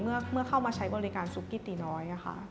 เมื่อเข้ามาใช้บริการซุกกิตตีน้อยค่ะ